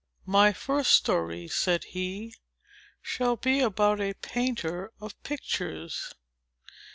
"My first story," said he, "shall be about a painter of pictures."